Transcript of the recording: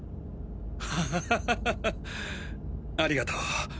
ハハハハありがとう。